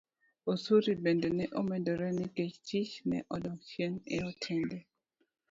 Osuru bende ne omedore nikech tich ne odok chien e otende